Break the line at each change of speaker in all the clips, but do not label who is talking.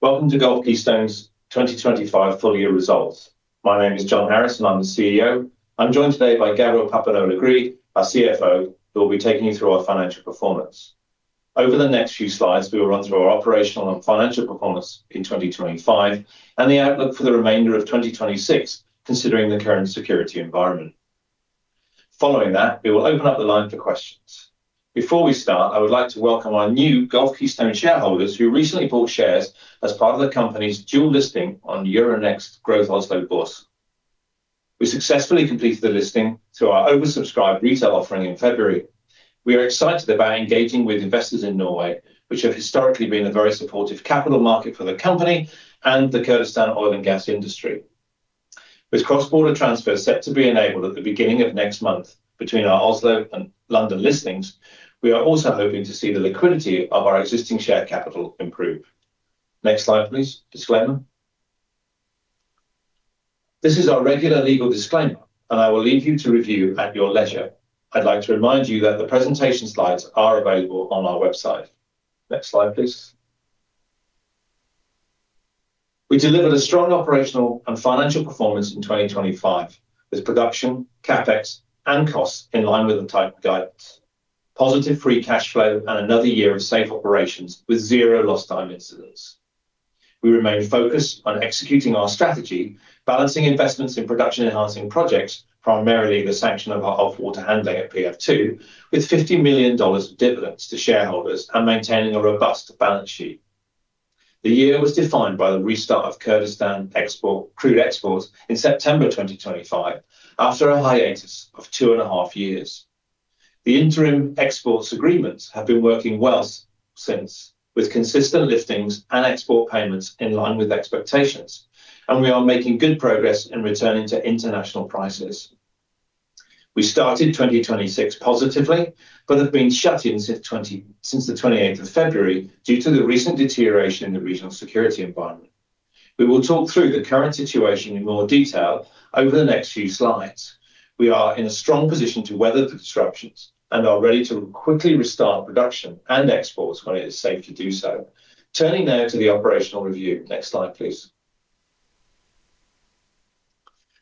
Welcome to Gulf Keystone's 2025 full year results. My name is Jon Harris, and I'm the CEO. I'm joined today by Gabriel Papineau-Legris, our CFO, who will be taking you through our financial performance. Over the next few slides, we will run through our operational and financial performance in 2025 and the outlook for the remainder of 2026, considering the current security environment. Following that, we will open up the line for questions. Before we start, I would like to welcome our new Gulf Keystone shareholders who recently bought shares as part of the company's dual listing on Euronext Growth Oslo. We successfully completed the listing through our oversubscribed retail offering in February. We are excited about engaging with investors in Norway, which have historically been a very supportive capital market for the company and the Kurdistan oil and gas industry. With cross-border transfers set to be enabled at the beginning of next month between our Oslo and London listings, we are also hoping to see the liquidity of our existing share capital improve. Next slide, please. Disclaimer. This is our regular legal disclaimer, and I will leave you to review at your leisure. I'd like to remind you that the presentation slides are available on our website. Next slide, please. We delivered a strong operational and financial performance in 2025, with production, CapEx and cost in line with the guidance, positive free cash flow and another year of safe operations with zero lost time incidents. We remain focused on executing our strategy, balancing investments in production-enhancing projects, primarily the sanction of our produced water handling at PF-2, with $50 million of dividends to shareholders and maintaining a robust balance sheet. The year was defined by the restart of Kurdistan crude exports in September 2025 after a hiatus of two and a half years. The interim exports agreements have been working well since, with consistent liftings and export payments in line with expectations, and we are making good progress in returning to international prices. We started 2026 positively but have been shut in since the 28th of February due to the recent deterioration in the regional security environment. We will talk through the current situation in more detail over the next few slides. We are in a strong position to weather the disruptions and are ready to quickly restart production and exports when it is safe to do so. Turning now to the operational review. Next slide, please.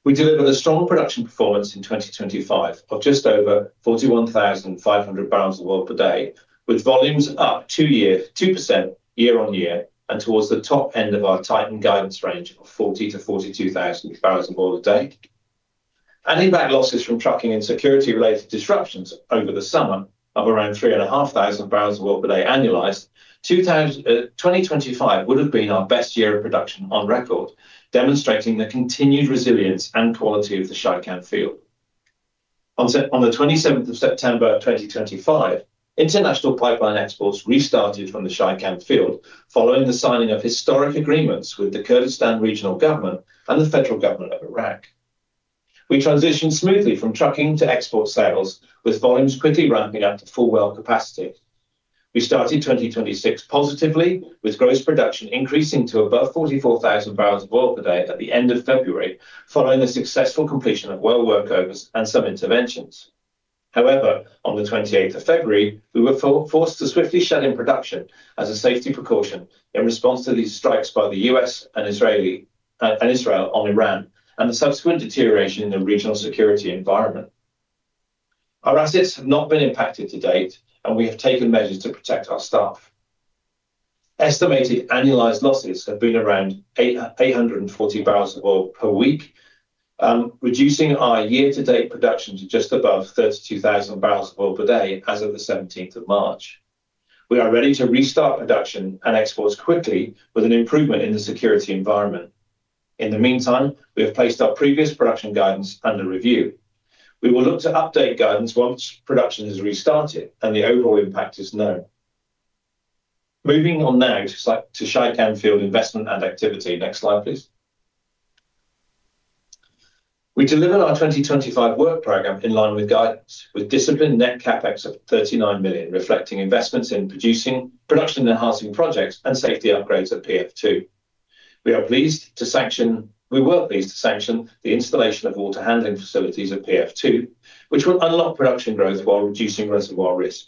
We delivered a strong production performance in 2025 of just over 41,500 barrels of oil per day, with volumes up 2% year-on-year and towards the top end of our tightened guidance range of 40,000-42,000 barrels of oil a day. Absent losses from trucking and security-related disruptions over the summer of around 3,500 barrels of oil per day annualized, 2025 would have been our best year of production on record, demonstrating the continued resilience and quality of the Shaikan Field. On the 27th of September 2025, international pipeline exports restarted from the Shaikan Field following the signing of historic agreements with the Kurdistan Regional Government and the Federal Government of Iraq. We transitioned smoothly from trucking to export sales, with volumes quickly ramping up to full well capacity. We started 2026 positively, with gross production increasing to above 44,000 barrels of oil per day at the end of February, following the successful completion of well workovers and some interventions. However, on the 28th of February, we were forced to swiftly shut in production as a safety pre-caution in response to these strikes by the U.S. and Israel on Iran and the subsequent deterioration in the regional security environment. Our assets have not been impacted to date, and we have taken measures to protect our staff. Estimated annualized losses have been around 840 barrels of oil per week, reducing our year-to-date production to just above 32,000 barrels of oil per day as of the 17th of March. We are ready to restart production and exports quickly with an improvement in the security environment. In the meantime, we have placed our previous production guidance under review. We will look to update guidance once production has restarted and the overall impact is known. Moving on now to Shaikan field investment and activity. Next slide, please. We delivered our 2025 work program in line with guidance, with disciplined net CapEx of $39 million, reflecting investments in production-enhancing projects and safety upgrades at PF-2. We were pleased to sanction the installation of water handling facilities at PF-2, which will unlock production growth while reducing reservoir risk.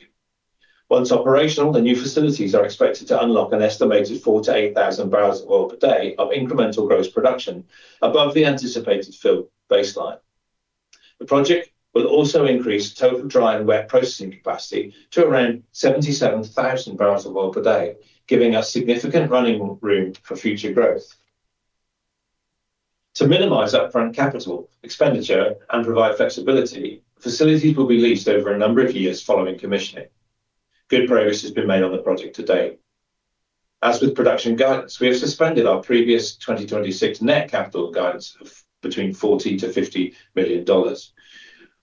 Once operational, the new facilities are expected to unlock an estimated 4,000-8,000 barrels of oil per day of incremental gross production above the anticipated field baseline. The project will also increase total dry and wet processing capacity to around 77,000 barrels of oil per day, giving us significant running room for future growth. To minimize upfront capital expenditure and provide flexibility, facilities will be leased over a number of years following commissioning. Good progress has been made on the project to date. As with production guidance, we have suspended our previous 2026 net capital guidance of between $40 million-$50 million.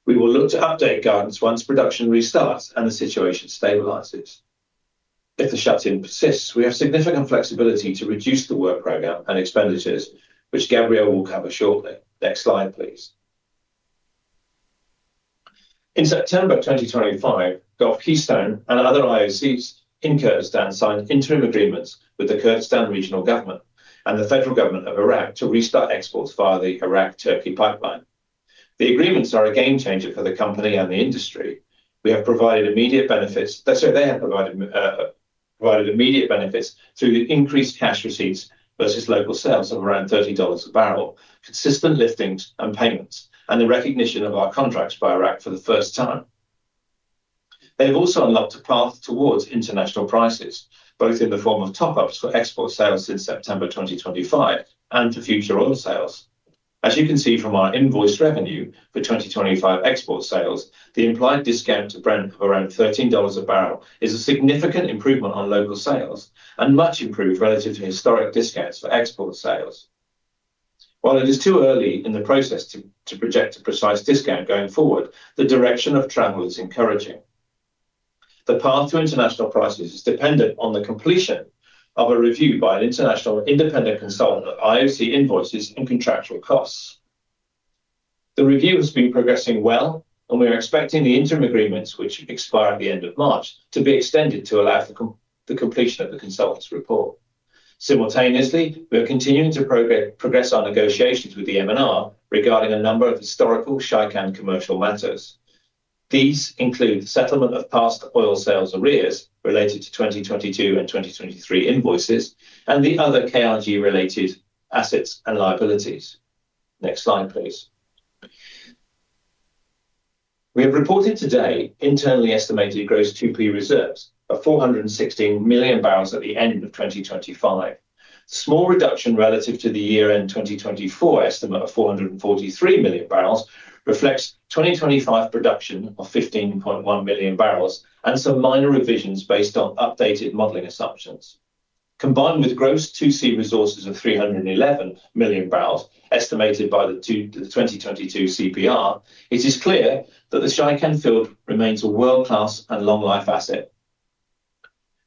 We will look to update guidance once production restarts and the situation stabilizes. If the shut-in persists, we have significant flexibility to reduce the work program and expenditures, which Gabriel will cover shortly. Next slide, please. In September 2025, Gulf Keystone and other IOCs in Kurdistan signed interim agreements with the Kurdistan Regional Government and the Federal Government of Iraq to restart exports via the Iraq-Turkey pipeline. The agreements are a game changer for the company and the industry. They say they have provided immediate benefits through the increased cash receipts versus local sales of around $30 a barrel, consistent liftings and payments, and the recognition of our contracts by Iraq for the first time. They've also unlocked a path towards international prices, both in the form of top-ups for export sales since September 2025 and for future oil sales. As you can see from our invoice revenue for 2025 export sales, the implied discount to Brent of around $13 a barrel is a significant improvement on local sales and much improved relative to historic discounts for export sales. While it is too early in the process to project a precise discount going forward, the direction of travel is encouraging. The path to international prices is dependent on the completion of a review by an international independent consultant of IOC invoices and contractual costs. The review has been progressing well, and we are expecting the interim agreements, which expire at the end of March, to be extended to allow for the completion of the consultant's report. Simultaneously, we are continuing to progress our negotiations with the MNR regarding a number of historical Shaikan commercial matters. These include settlement of past oil sales arrears related to 2022 and 2023 invoices and the other KRG-related assets and liabilities. Next slide, please. We have reported today internally estimated gross 2P reserves of 416 million barrels at the end of 2025. Small reduction relative to the year-end 2024 estimate of 443 million barrels reflects 2025 production of 15.1 million barrels and some minor revisions based on updated modeling assumptions. Combined with gross 2C resources of 311 million barrels estimated by the two, the 2022 CPR, it is clear that the Shaikan Field remains a world-class and long-life asset.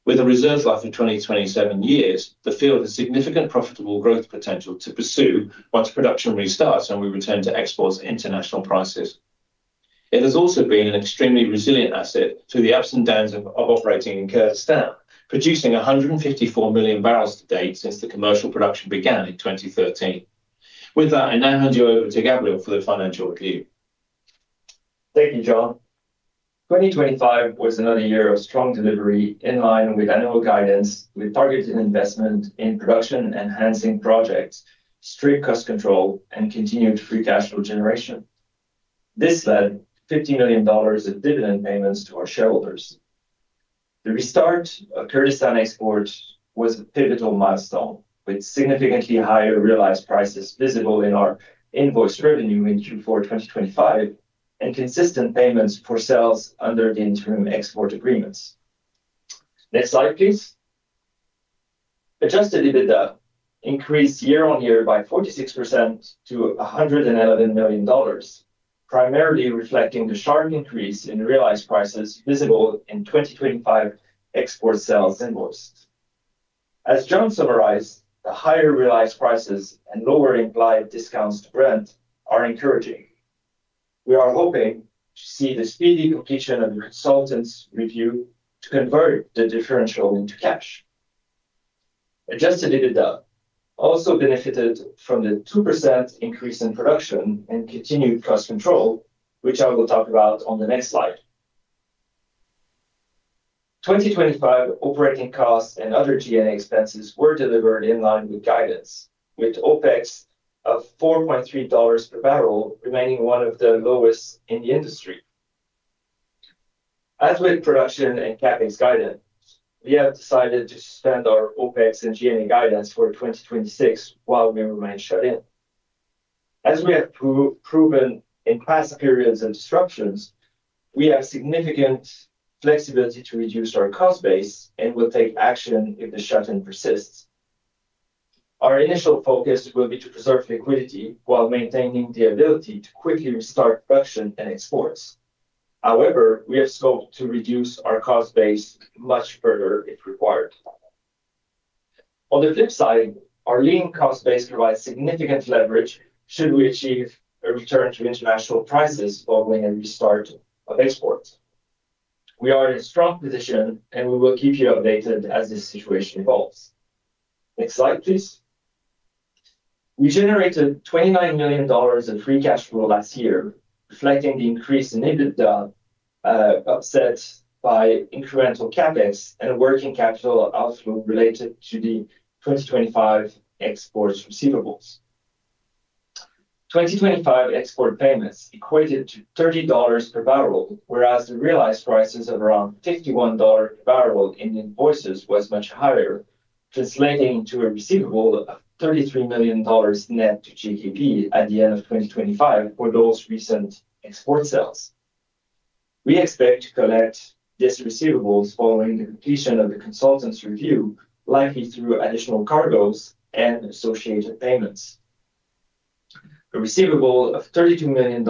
With a reserve life of 27 years, the field has significant profitable growth potential to pursue once production restarts, and we return to export international prices. It has also been an extremely resilient asset through the ups and downs of operating in Kurdistan, producing 154 million barrels to date since the commercial production began in 2013. With that, I now hand you over to Gabriel for the financial review.
Thank you, Jon. 2025 was another year of strong delivery in line with annual guidance. We targeted investment in production-enhancing projects, strict cost control, and continued free cash flow generation. This led $50 million in dividend payments to our shareholders. The restart of Kurdistan export was a pivotal milestone, with significantly higher realized prices visible in our invoice revenue in Q4 2025 and consistent payments for sales under the interim export agreements. Next slide, please. Adjusted EBITDA increased year-on-year by 46% to $111 million, primarily reflecting the sharp increase in realized prices visible in 2025 export sales invoiced. As Jon summarized, the higher realized prices and lower implied discounts to Brent are encouraging. We are hoping to see the speedy completion of the consultant's review to convert the differential into cash. Adjusted EBITDA also benefited from the 2% increase in production and continued cost control, which I will talk about on the next slide. 2025 operating costs and other G&A expenses were delivered in line with guidance, with OpEx of $4.3 per barrel remaining one of the lowest in the industry. As with production and CapEx guidance, we have decided to suspend our OpEx and G&A guidance for 2026 while we remain shut in. As we have proven in past periods of disruptions, we have significant flexibility to reduce our cost base and will take action if the shut-in persists. Our initial focus will be to preserve liquidity while maintaining the ability to quickly restart production and exports. However, we have scoped to reduce our cost base much further if required. On the flip side, our lean cost base provides significant leverage should we achieve a return to international prices following a restart of exports. We are in a strong position, and we will keep you updated as this situation evolves. Next slide, please. We generated $29 million in free cash flow last year, reflecting the increase in EBITDA, offset by incremental CapEx and a working capital outflow related to the 2025 export receivables. 2025 export payments equated to $30 per barrel, whereas the realized prices of around $51 per barrel in invoices was much higher, translating to a receivable of $33 million net to GKP at the end of 2025 for those recent export sales. We expect to collect these receivables following the completion of the consultant's review, likely through additional cargoes and associated payments. A receivable of $32 million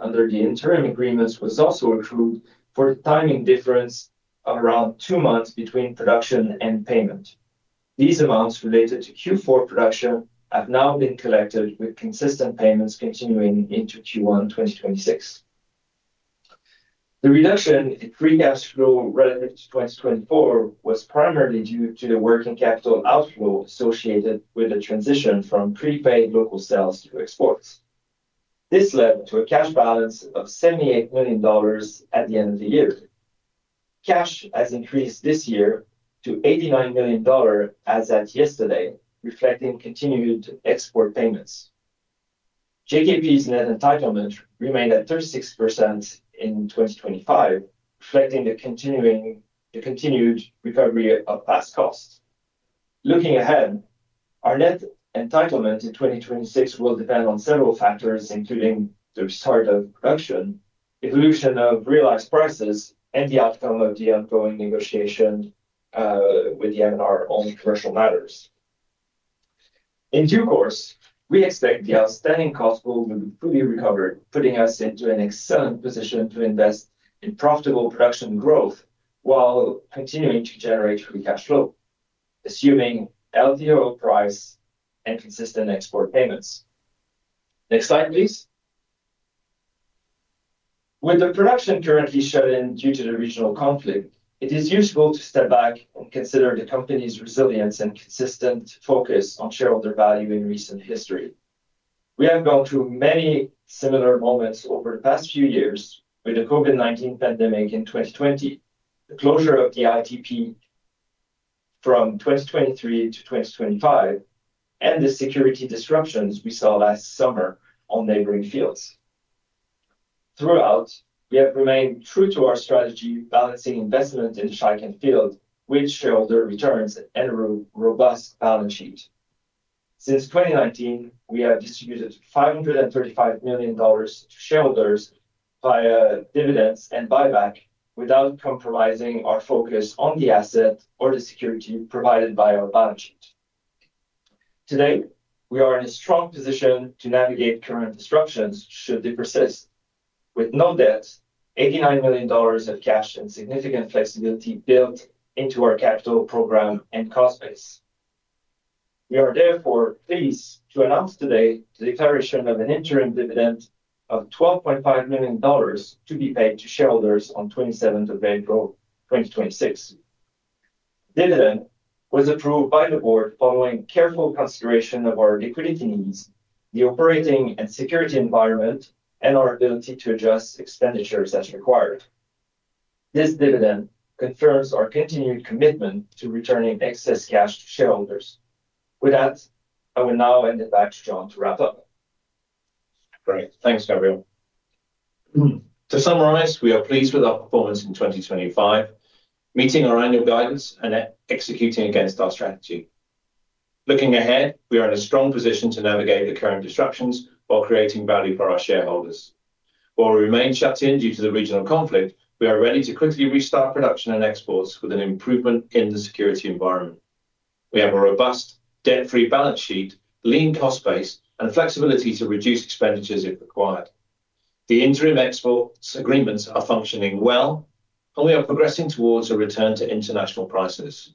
under the interim agreements was also accrued for the timing difference of around two months between production and payment. These amounts related to Q4 production have now been collected with consistent payments continuing into Q1 2026. The reduction in free cash flow relative to 2024 was primarily due to the working capital outflow associated with the transition from prepaid local sales to exports. This led to a cash balance of $78 million at the end of the year. Cash has increased this year to $89 million as at yesterday, reflecting continued export payments. GKP's net entitlement remained at 36% in 2025, reflecting the continued recovery of past costs. Looking ahead, our net entitlement in 2026 will depend on several factors, including the start of production, evolution of realized prices, and the outcome of the ongoing negotiation with the MNR on commercial matters. In due course, we expect the outstanding costs will be fully recovered, putting us into an excellent position to invest in profitable production growth while continuing to generate free cash flow, assuming LDO price and consistent export payments. Next slide, please. With the production currently shut in due to the regional conflict, it is useful to step back and consider the company's resilience and consistent focus on shareholder value in recent history. We have gone through many similar moments over the past few years with the COVID-19 pandemic in 2020, the closure of the ITP from 2023 to 2025, and the security disruptions we saw last summer on neighboring fields. Throughout, we have remained true to our strategy, balancing investment in Shaikan Field with shareholder returns and a robust balance sheet. Since 2019, we have distributed $535 million to shareholders via dividends and buyback without compromising our focus on the asset or the security provided by our balance sheet. Today, we are in a strong position to navigate current disruptions should they persist. With no debt, $89 million of cash and significant flexibility built into our capital program and cost base. We are therefore pleased to announce today the declaration of an interim dividend of $12.5 million to be paid to shareholders on 27th of April 2026. Dividend was approved by the board following careful consideration of our liquidity needs, the operating and security environment, and our ability to adjust expenditures as required. This dividend confirms our continued commitment to returning excess cash to shareholders. With that, I will now hand it back to Jon to wrap up.
Great. Thanks, Gabriel. To summarize, we are pleased with our performance in 2025, meeting our annual guidance and executing against our strategy. Looking ahead, we are in a strong position to navigate the current disruptions while creating value for our shareholders. While we remain shut in due to the regional conflict, we are ready to quickly restart production and exports with an improvement in the security environment. We have a robust debt-free balance sheet, lean cost base, and flexibility to reduce expenditures if required. The interim export agreements are functioning well, and we are progressing towards a return to international prices.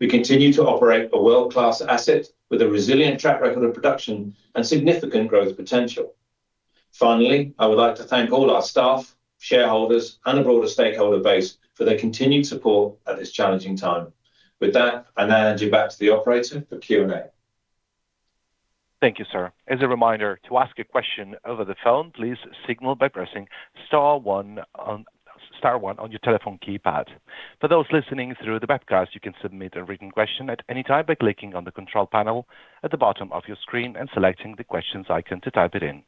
We continue to operate a world-class asset with a resilient track record of production and significant growth potential. Finally, I would like to thank all our staff, shareholders, and a broader stakeholder base for their continued support at this challenging time. With that, I now hand you back to the operator for Q&A.
Thank you, sir. As a reminder, to ask a question over the phone, please signal by pressing star one on your telephone keypad. For those listening through the webcast, you can submit a written question at any time by clicking on the control panel at the bottom of your screen and selecting the questions icon to type it in.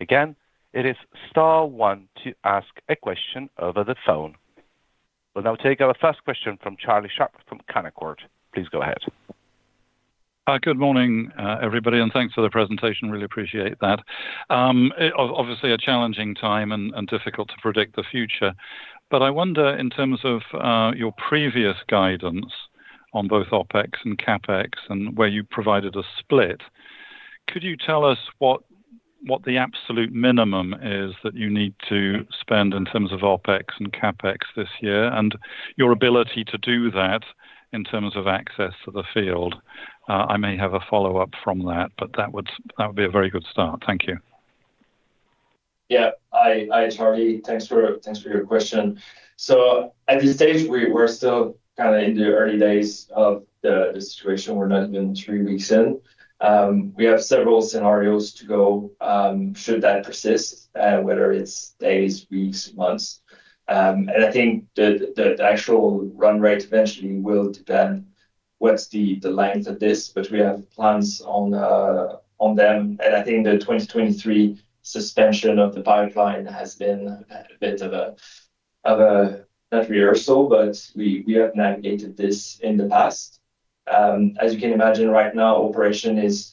Again, it is star one to ask a question over the phone. We'll now take our first question from Charlie Sharp from Canaccord. Please go ahead.
Good morning, everybody, and thanks for the presentation. Really appreciate that. Obviously a challenging time and difficult to predict the future. I wonder, in terms of your previous guidance on both OpEx and CapEx and where you provided a split, could you tell us what the absolute minimum is that you need to spend in terms of OpEx and CapEx this year and your ability to do that in terms of access to the field? I may have a follow-up from that, but that would be a very good start. Thank you.
Yeah. Hi, Charlie. Thanks for your question. At this stage, we're still kinda in the early days of the situation. We're not even three weeks in. We have several scenarios to go should that persist, whether it's days, weeks, months. I think the actual run rate eventually will depend what's the length of this, but we have plans on them. I think the 2023 suspension of the pipeline has been a bit of a nursery or so, but we have navigated this in the past. As you can imagine right now, operation is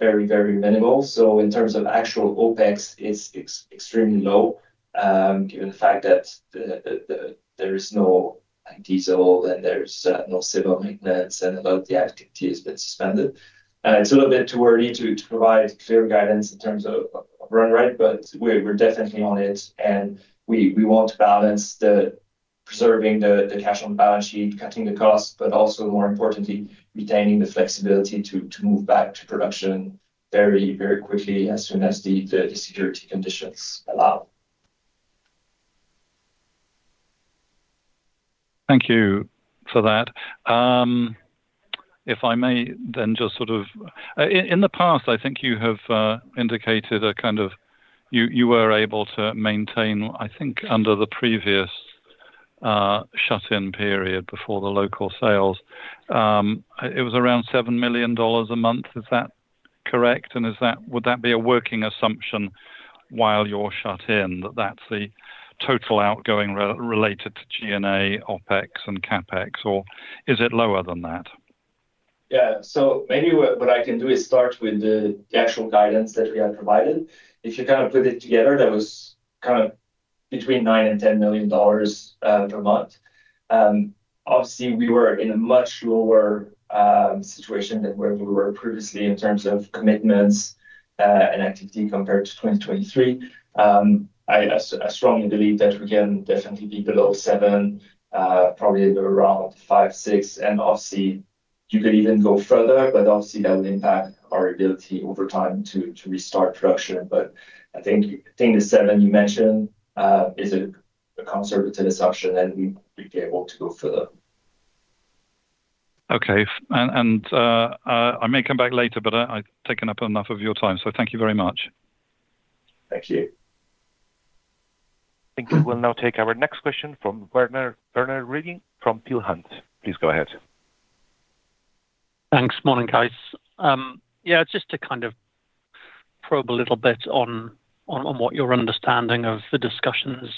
very minimal. In terms of actual OpEx, it's extremely low, given the fact that the there is no diesel and there's no civil maintenance and a lot of the activity has been suspended. It's a little bit too early to provide clear guidance in terms of run rate, but we're definitely on it, and we want to balance preserving the cash on balance sheet, cutting the costs, but also more importantly, retaining the flexibility to move back to production very, very quickly as soon as the security conditions allow.
Thank you for that. If I may then just sort of in the past, I think you have indicated a kind of you were able to maintain, I think under the previous shut in period before the local sales, it was around $7 million a month. Is that correct? Would that be a working assumption while you're shut in, that that's the total outgoing related to G&A, OpEx and CapEx, or is it lower than that?
Yeah. Maybe what I can do is start with the actual guidance that we had provided. If you kind of put it together, that was kind of between $9 million and $10 million per month. Obviously, we were in a much lower situation than where we were previously in terms of commitments and activity compared to 2023. I strongly believe that we can definitely be below $7, probably in the realm of $5, $6, and obviously you could even go further, but obviously that would impact our ability over time to restart production. I think the $7 you mentioned is a conservative assumption, and we'd be able to go further.
Okay. I may come back later, but I've taken up enough of your time, so thank you very much.
Thank you.
Thank you. We'll now take our next question from Werner Riding from Peel Hunt. Please go ahead.
Thanks. Morning, guys. Yeah, just to kind of probe a little bit on what your understanding of the discussions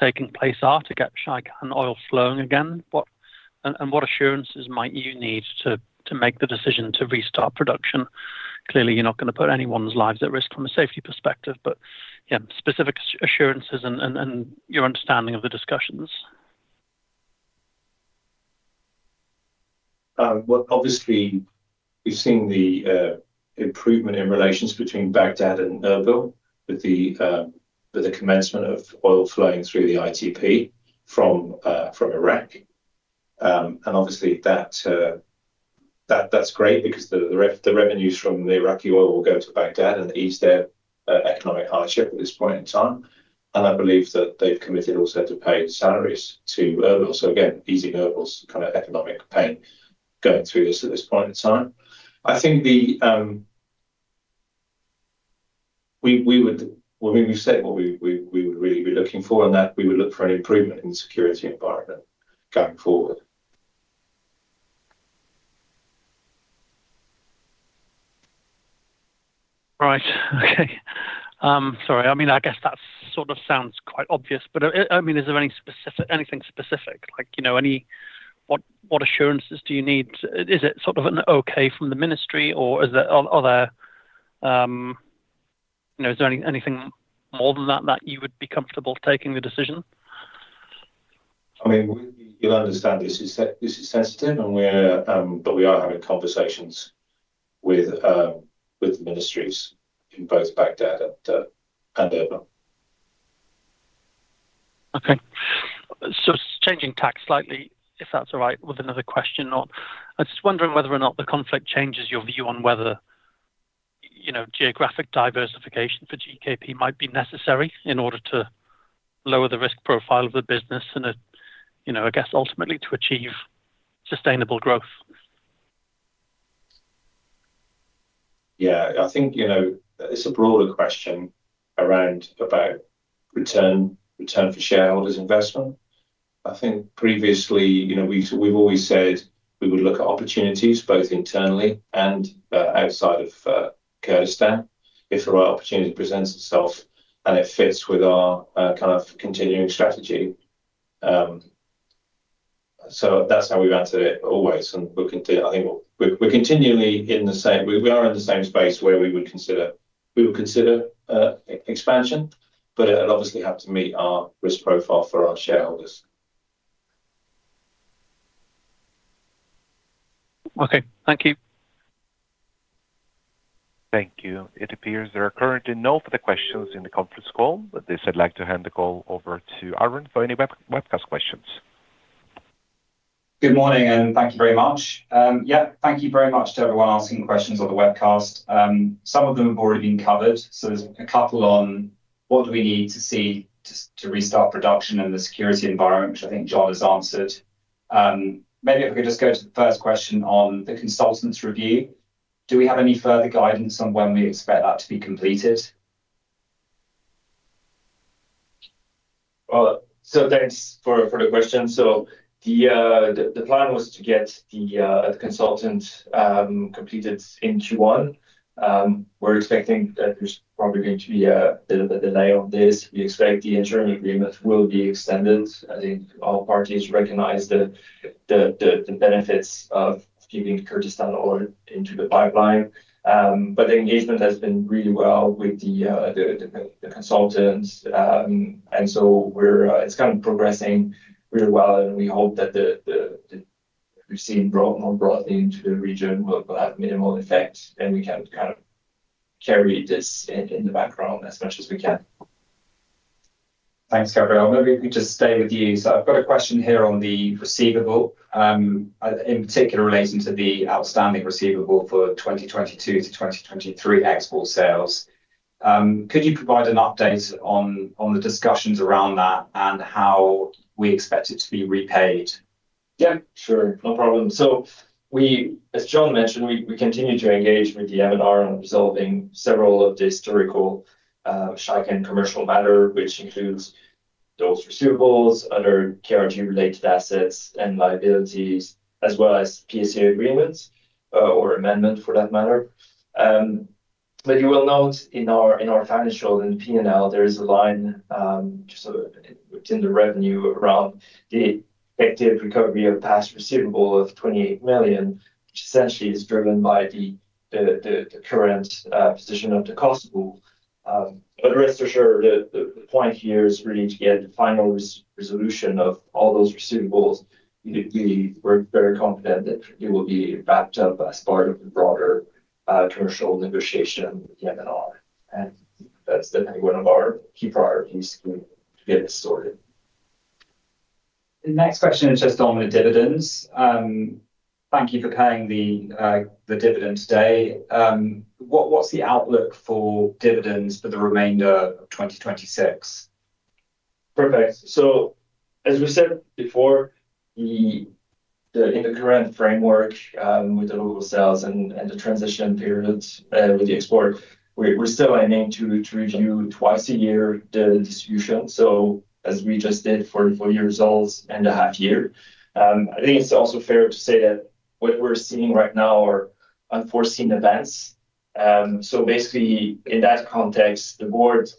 taking place are to get Shaikan oil flowing again, and what assurances might you need to make the decision to restart production? Clearly, you're not gonna put anyone's lives at risk from a safety perspective, but yeah, specific assurances and your understanding of the discussions.
Well, obviously we've seen the improvement in relations between Baghdad and Erbil with the commencement of oil flowing through the ITP from Iraq. Obviously that's great because the revenues from the Iraqi oil will go to Baghdad and ease their economic hardship at this point in time. I believe that they've committed also to pay the salaries to Erbil. Again, easing Erbil's kind of economic pain going through this at this point in time. I think. I mean, we've said what we would really be looking for, and that we would look for an improvement in the security environment going forward.
Right. Okay. Sorry, I mean, I guess that sort of sounds quite obvious, but I mean, is there anything specific like, you know, what assurances do you need? Is it sort of an okay from the ministry or is there anything more than that that you would be comfortable taking the decision?
I mean, you'll understand this is sensitive and we're having conversations with the ministries in both Baghdad and Erbil.
Okay. Changing tack slightly, if that's all right, with another question, I'm just wondering whether or not the conflict changes your view on whether, you know, geographic diversification for GKP might be necessary in order to lower the risk profile of the business and, you know, I guess ultimately to achieve sustainable growth.
Yeah. I think, you know, it's a broader question around about return for shareholders' investment. I think previously, you know, we've always said we would look at opportunities both internally and outside of Kurdistan if the right opportunity presents itself and it fits with our kind of continuing strategy. That's how we've answered it always and we'll continue. I think we're continually in the same space where we would consider expansion, but it'll obviously have to meet our risk profile for our shareholders.
Okay. Thank you.
Thank you. It appears there are currently no further questions in the conference call. With this, I'd like to hand the call over to Aaron Clark for any webcast questions.
Good morning, thank you very much. Yeah, thank you very much to everyone asking questions on the webcast. Some of them have already been covered, so there's a couple on what do we need to see to restart production and the security environment, which I think Jon has answered. Maybe if we could just go to the first question on the consultant's review. Do we have any further guidance on when we expect that to be completed?
Well, thanks for the question. The plan was to get the consultant completed in Q1. We're expecting that there's probably going to be a bit of a delay on this. We expect the interim agreement will be extended. I think all parties recognize the benefits of keeping Kurdistan oil into the pipeline. The engagement has been really well with the consultants. It's kind of progressing really well, and we hope that the regime brought more broadly into the region will have minimal effect, and we can kind of carry this in the background as much as we can.
Thanks, Gabriel. Maybe we just stay with you. I've got a question here on the receivable, in particular relating to the outstanding receivable for 2022 to 2023 export sales. Could you provide an update on the discussions around that and how we expect it to be repaid?
Yeah, sure. No problem. As Jon mentioned, we continue to engage with the MNR on resolving several of the historical Shaikan commercial matter, which includes those receivables, other KRG-related assets and liabilities, as well as PSA agreements or amendment, for that matter. You will note in our financial in the P&L, there is a line just within the revenue around the effective recovery of past receivable of $28 million, which essentially is driven by the current position of the cost pool. Rest assured the point here is really to get the final resolution of all those receivables. We're very confident that it will be wrapped up as part of the broader commercial negotiation with MNR. That's definitely one of our key priorities to get this sorted.
The next question is just on the dividends. Thank you for paying the dividend today. What's the outlook for dividends for the remainder of 2026?
Perfect. As we said before, in the current framework, with the local sales and the transition period, with the export, we're still aiming to review twice a year the distribution. As we just did for the full year results and the half year. I think it's also fair to say that what we're seeing right now are unforeseen events. Basically in that context, the board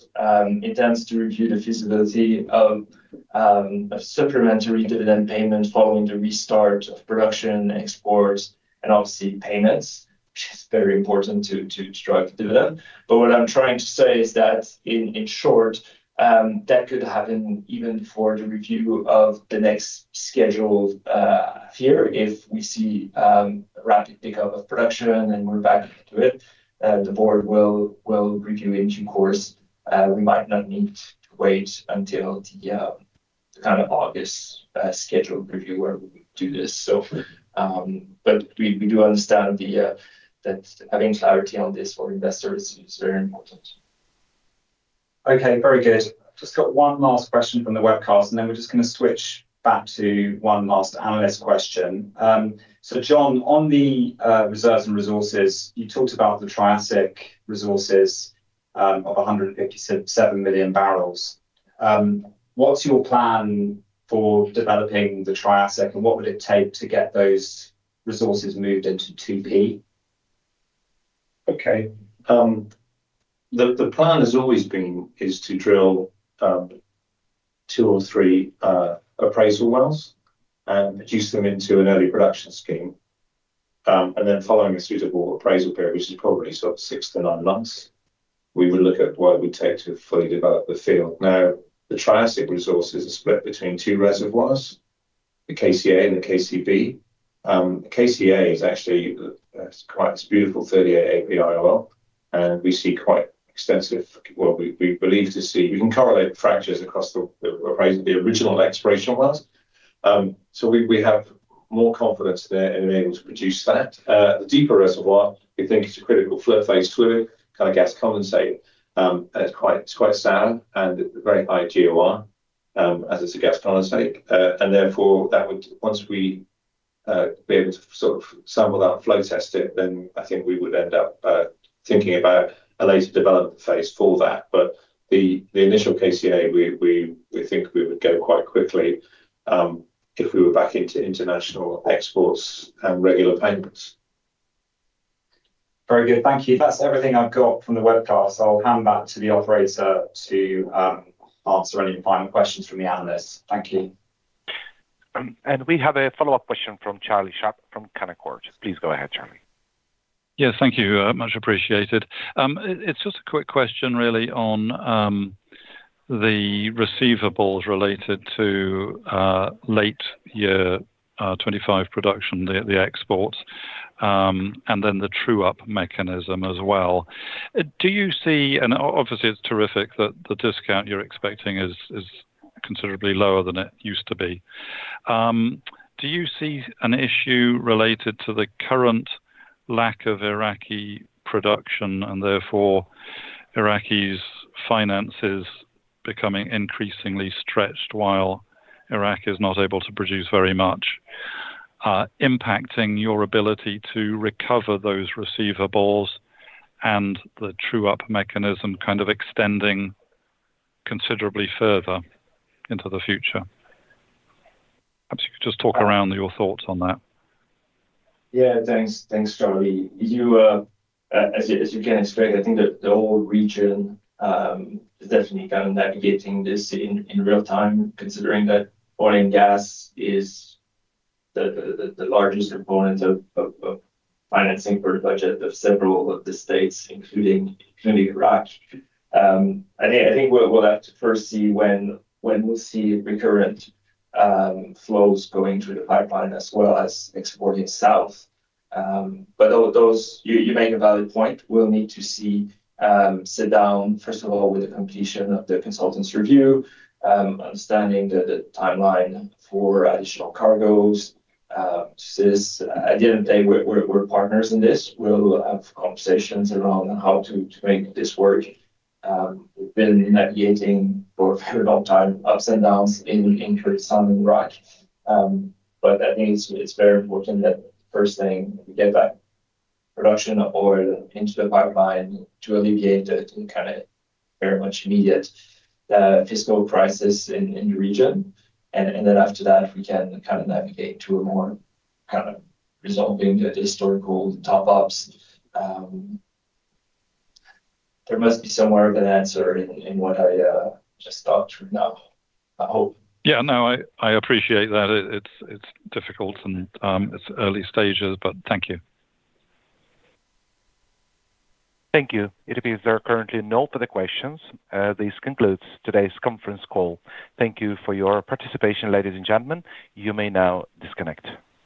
intends to review the feasibility of a supplementary dividend payment following the restart of production, exports and obviously payments, which is very important to strike the dividend. What I'm trying to say is that in short, that could happen even before the review of the next scheduled year if we see rapid pickup of production and we're back to it, the board will review in due course. We might not need to wait until the kind of August scheduled review where we do this. We do understand that having clarity on this for investors is very important.
Okay, very good. Just got one last question from the webcast, and then we're just gonna switch back to one last analyst question. Jon, on the reserves and resources, you talked about the Triassic resources of 157 million barrels. What's your plan for developing the Triassic, and what would it take to get those resources moved into 2P?
Okay. The plan has always been to drill two or three appraisal wells and produce them into an early production scheme. Following a suitable appraisal period, which is probably sort of six to nine months, we will look at what it would take to fully develop the field. Now, the Triassic resources are split between two reservoirs, the KCA and the KCB. KCA is actually quite beautiful 38 API oil, and we believe we see. We can correlate fractures across the original exploration wells. We have more confidence there in being able to produce that. The deeper reservoir, we think it's a supercritical phase fluid, kind of gas condensate. It's quite sour and very high GOR, as it's a gas condensate. Once we be able to sort of sample that flow, test it, then I think we would end up thinking about a later development phase for that. The initial KCA we think we would go quite quickly, if we were back into international exports and regular payments.
Very good. Thank you. That's everything I've got from the webcast. I'll hand back to the operator to answer any final questions from the analysts. Thank you.
We have a follow-up question from Charlie Sharp from Canaccord. Please go ahead, Charlie.
Yeah. Thank you. Much appreciated. It's just a quick question really on the receivables related to last year 2025 production, the exports, and then the true-up mechanism as well. Do you see. Obviously it's terrific that the discount you're expecting is considerably lower than it used to be. Do you see an issue related to the current lack of Iraqi production and therefore Iraq's finances becoming increasingly stretched while Iraq is not able to produce very much, impacting your ability to recover those receivables and the true-up mechanism kind of extending considerably further into the future? Perhaps you could just talk around your thoughts on that.
Yeah. Thanks. Thanks, Charlie. You, as you can explain, I think the whole region is definitely kind of navigating this in real time, considering that oil and gas is the largest component of financing for the budget of several of the states, including Iraq. Yeah, I think we'll have to first see when we'll see recurrent flows going through the pipeline as well as export itself. You make a valid point. We'll need to sit down, first of all, with the completion of the consultant's review, understanding the timeline for additional cargoes. Since at the end of the day, we're partners in this. We'll have conversations around how to make this work. We've been navigating for a very long time ups and downs in Kurdistan and Iraq. I think it's very important that first thing we get that production oil into the pipeline to alleviate the kind of very much immediate fiscal crisis in the region. Then after that, we can kind of navigate to a more kind of resolving the historical top ups. There must be somewhere of an answer in what I just talked through now, I hope.
Yeah. No, I appreciate that. It's difficult and it's early stages, but thank you.
Thank you. It appears there are currently no further questions. This concludes today's conference call. Thank you for your participation, ladies and gentlemen. You may now disconnect.